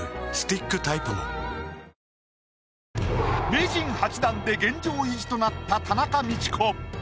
名人８段で現状維持となった田中道子。